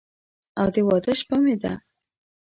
او د واده شپه مې ده